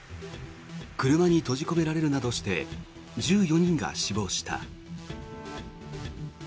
車に閉じ込められるなどして１４人が死亡した。